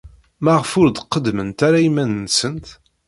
Maɣef ur d-qeddment ara iman-nsent?